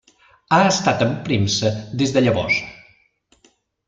Ha estat en premsa des de llavors.